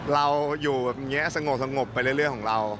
เราอยู่แบบนี้สงบไปเรื่อยของเรา